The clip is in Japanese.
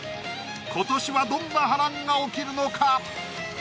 今年はどんな波乱が起きるのか？